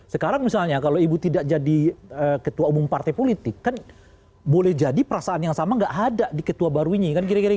sekarang misalnya kalau ibu tidak jadi ketua umum partai politik kan boleh jadi perasaan yang sama nggak ada di ketua baru ini kan kira kira